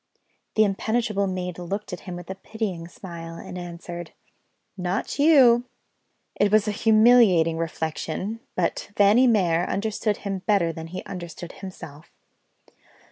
The impenetrable maid looked at him with a pitying smile, and answered: "Not you!" It was a humiliating reflection but Fanny Mere understood him better than he understood himself.